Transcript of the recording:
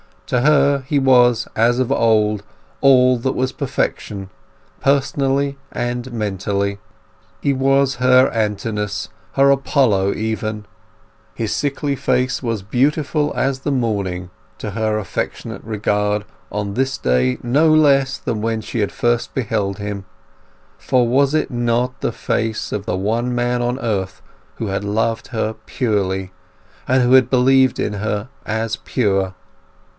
To her he was, as of old, all that was perfection, personally and mentally. He was still her Antinous, her Apollo even; his sickly face was beautiful as the morning to her affectionate regard on this day no less than when she first beheld him; for was it not the face of the one man on earth who had loved her purely, and who had believed in her as pure!